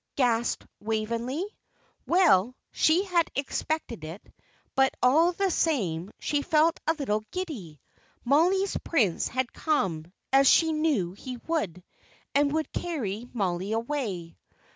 gasped Waveney. Well, she had expected it. But, all the same, she felt a little giddy. Mollie's Prince had come, as she knew he would, and would carry Mollie away.